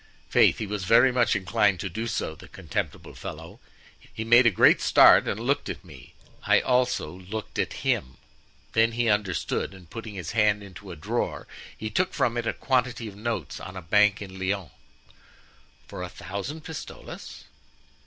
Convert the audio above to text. "Faith! he was very much inclined to do so, the contemptible fellow. He made a great start and looked at me. I also looked at him; then he understood, and putting his hand into a drawer, he took from it a quantity of notes on a bank in Lyons." "For a thousand pistoles?"